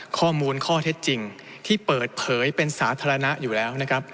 ข้อมูลข้อเท็จจริงที่เปิดเผยเป็นสาธารณะอยู่แล้วนะครับ